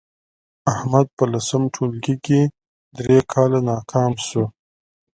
احمد په لسم ټولگي کې درې کاله ناکام شو